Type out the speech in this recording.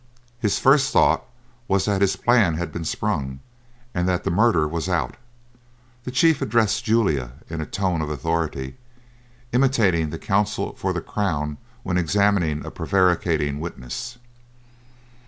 His first thought was that his plan had been sprung, and that the murder was out. The chief addressed Julia in a tone of authority, imitating the counsel for the crown when examining a prevaricating witness.